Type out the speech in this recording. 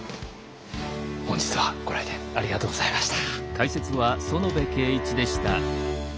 本日はご来店ありがとうございました。